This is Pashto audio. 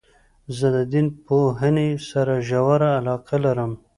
زه د دین پوهني سره ژوره علاقه لرم.